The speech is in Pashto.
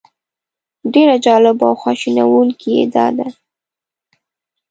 ډېره جالبه او خواشینونکې یې دا ده.